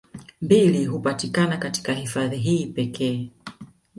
Mbili hupatikana katika hifadhi hii pekee